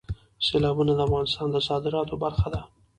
سیلابونه د افغانستان د صادراتو برخه ده.